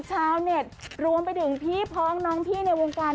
ชาวเน็ตรวมไปถึงพี่พ้องน้องพี่ในวงการ